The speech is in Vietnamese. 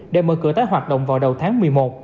để mở cửa tái hoạt động vào đầu tháng một mươi một